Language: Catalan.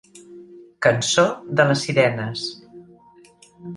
Cançó de les sirenes.